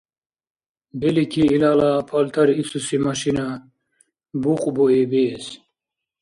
Белики, илала палтар ицуси машина букьбуи биэс?